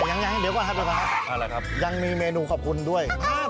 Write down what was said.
ยังเดี๋ยวก่อนครับพี่มาร์ทครับยังมีเมนูขอบคุณด้วยอะไรครับ